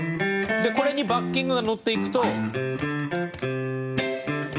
これにバッキングが乗っていくと。